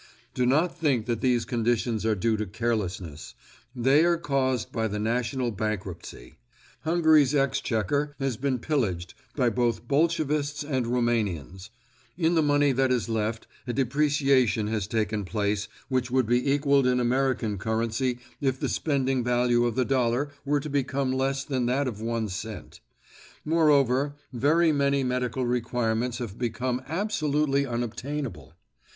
Do not think that these conditions are due to carelessness; they are caused by the national bankruptcy. Hungary's exchequer has been pillaged by both Bolshevists and Roumanians. In the money that is left a depreciation has taken place which would be equalled in American currency if the spending value of the dollar were to become less than that of one cent. Moreover, very many medical requirements have become absolutely unobtainable.